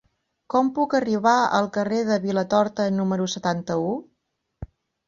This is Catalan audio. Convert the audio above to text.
Com puc arribar al carrer de Vilatorta número setanta-u?